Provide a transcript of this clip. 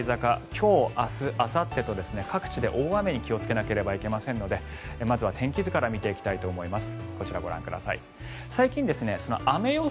今日明日あさってと各地で大雨に気をつけなければいけませんのでまずは天気図から見ていきたいと思います。